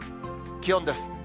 気温です。